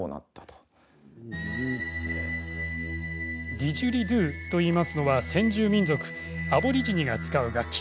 ディジュリドゥといいますのは先住民族・アボリジニが使う楽器。